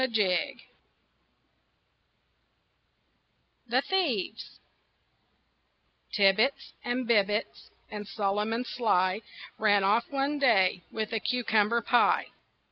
THE THIEVES Tibbitts and Bibbitts and Solomon Sly Ran off one day with a cucumber pie.